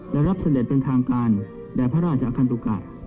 และรับเสด็จเป็นทางการแด่พระราชคันตุกะ